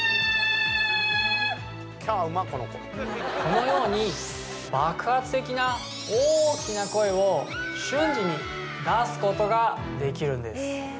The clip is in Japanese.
このように爆発的な大きな声を瞬時に出すことができるんです